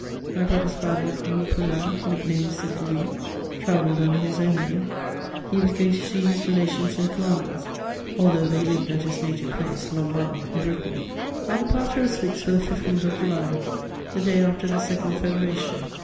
My brother's valet, Louis Poullain, nicknamed St. Louis, tra velled imder his own name ; he was going to see his relations in Flanders, although they lived at his native place, IdunbaUe in Brittany. Our departure was fixed for the 15th of July, the day after the second federation.